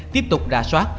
tiếp tục đà soát